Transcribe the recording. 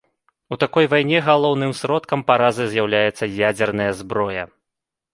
У такой вайне галоўным сродкам паразы з'яўляецца ядзерная зброя.